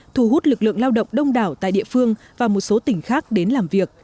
thu hút lực lượng lao động đông đảo tại địa phương và một số tỉnh khác đến làm việc